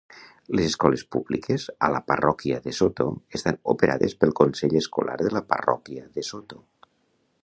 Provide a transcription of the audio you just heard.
Les escoles públiques a la parròquia DeSoto estan operades pel Consell Escolar de la Parròquia DeSoto.